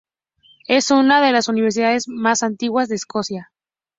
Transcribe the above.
Es una de las universidades más antiguas de Escocia.